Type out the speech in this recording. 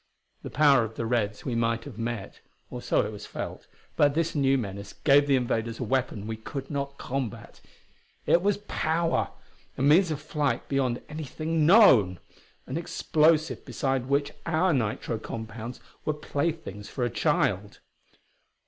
The power of the Reds we might have met or so it was felt but this new menace gave the invaders a weapon we could not combat. It was power! a means of flight beyond anything known! an explosive beside which our nitro compounds were playthings for a child.